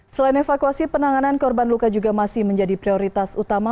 selain evakuasi penanganan korban luka juga masih menjadi prioritas utama